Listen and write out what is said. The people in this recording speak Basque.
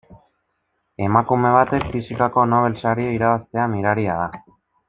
Emakume batek fisikako Nobel saria irabaztea miraria da.